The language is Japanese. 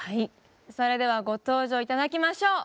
それではご登場頂きましょう。